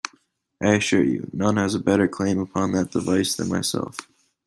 I assure you, none has a better claim upon that device than myself.